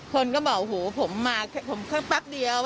คนก็บอกผมมาแป๊บเดียว